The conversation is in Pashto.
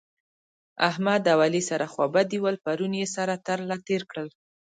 احمد او علي سره خوابدي ول؛ پرون يې سره تر له تېر کړل